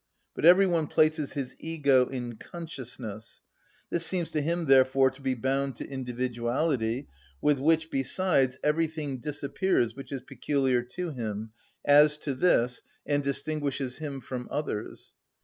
But every one places his ego in consciousness; this seems to him therefore to be bound to individuality, with which, besides, everything disappears which is peculiar to him, as to this, and distinguishes him from others.